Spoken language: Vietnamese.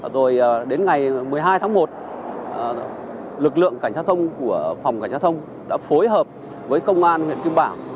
rồi đến ngày một mươi hai tháng một lực lượng cảnh sát thông của phòng cảnh sát thông đã phối hợp với công an huyện kim bảo